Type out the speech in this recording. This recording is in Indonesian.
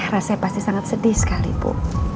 rasanya pasti sangat sedih sekali bu